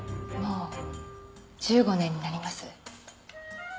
もう１５年になります。